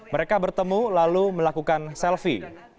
mereka bertemu lalu melakukan selfie